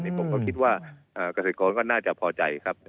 ผมก็คิดว่าเกษตรกรก็น่าจะพอใจครับ